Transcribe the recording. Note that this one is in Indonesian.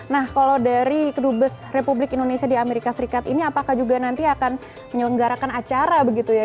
nah kalau dari kedubes republik indonesia di amerika serikat ini apakah juga nanti akan menyelenggarakan acara begitu ya